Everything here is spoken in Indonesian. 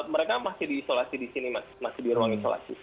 mereka masih diisolasi di sini mas masih di ruang isolasi